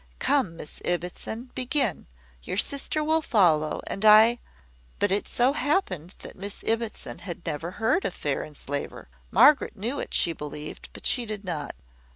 Come, Miss Ibbotson, begin; your sister will follow, and I " But it so happened that Miss Ibbotson had never heard `Fair Enslaver.' Margaret knew it, she believed; but she did not.